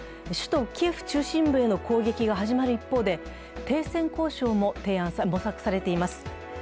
首都キエフ中心部への攻撃が始まる一方で停戦交渉も模索されています。